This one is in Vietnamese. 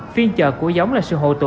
phiên chợ của giống là sự hội tụ